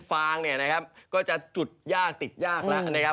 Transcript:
ฟางเนี่ยนะครับก็จะจุดยากติดยากแล้วนะครับ